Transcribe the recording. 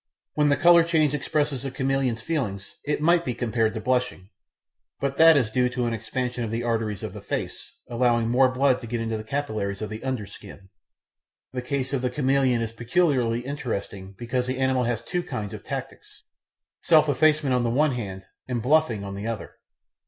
When the colour change expresses the chameleon's feelings it might be compared to blushing, but that is due to an expansion of the arteries of the face, allowing more blood to get into the capillaries of the under skin. The case of the chameleon is peculiarly interesting because the animal has two kinds of tactics self effacement on the one hand and bluffing on the other.